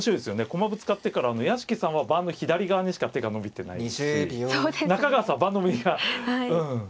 駒ぶつかってから屋敷さんは盤の左側にしか手が伸びてないですし中川さん盤の右側うん。